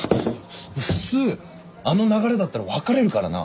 普通あの流れだったら別れるからな。